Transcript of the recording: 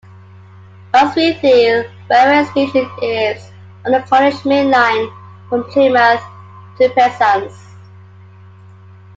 Lostwithiel railway station is on the Cornish Main Line from Plymouth to Penzance.